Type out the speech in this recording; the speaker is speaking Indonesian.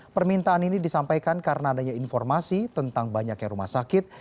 permintaan ini disampaikan karena adanya informasi tentang banyaknya rumah sakit